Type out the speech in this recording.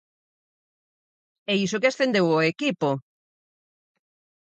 E iso que ascendeu o equipo.